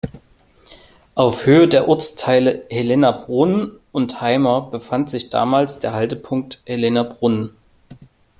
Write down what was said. Auf Höhe der Ortsteile Helenabrunn und Heimer befand sich damals der Haltepunkt Helenabrunn.